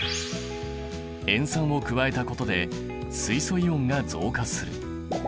塩酸を加えたことで水素イオンが増加する。